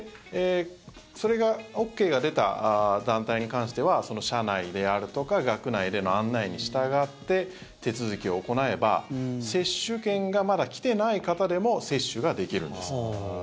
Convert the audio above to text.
それがＯＫが出た団体に関しては社内であるとか学内での案内に従って手続きを行えば接種券がまだ来てない方でも接種ができるんです。